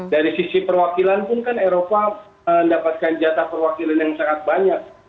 dari sisi perwakilan pun kan eropa mendapatkan jatah perwakilan yang sangat banyak